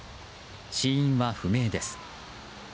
死因は不明です。